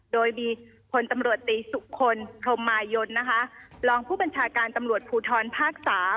โดยมีพลตำรวจตีสุคลพรมมายนนะคะรองผู้บัญชาการตำรวจภูทรภาค๓